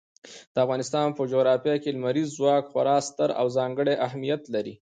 د افغانستان په جغرافیه کې لمریز ځواک خورا ستر او ځانګړی اهمیت لري.